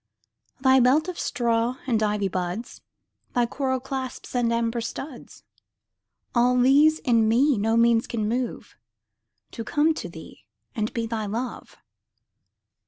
Thy belt of straw and ivy buds, Thy coral clasps and amber studs, All these in me no means can move To come to thee and be thy love.